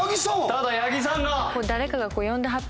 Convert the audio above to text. ただ八木さんが。